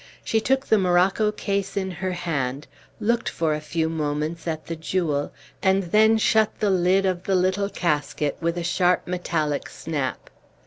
She took the morocco case in her hand, looked for a few moments at the jewel, and then shut the lid of the little casket with a sharp metallic snap.